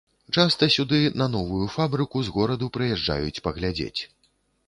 Часта сюды на новую фабрыку з гораду прыязджаюць паглядзець.